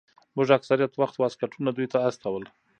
موږ اکثره وخت واسکټونه دوى ته استول.